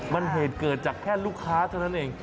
มันเหตุเกิดจากแค่ลูกค้าเท่านั้นเอง